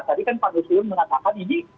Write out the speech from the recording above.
tadi pak usirwan mengatakan